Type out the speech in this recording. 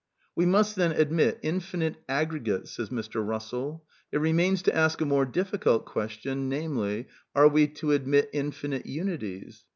''We must then admit infinite aggregates. It remains to ask a more difficult question, namely : Are we to admit infinite unities?